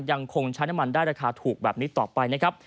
ยังคงใช้น้ำมันได้ราคาถูกแบบนี้ต่อไปนะครับ